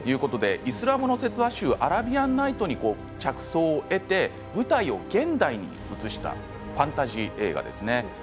イスラムの説話集「アラビアン・ナイト」に着想を得て舞台を現代に移したファンタジー映画です。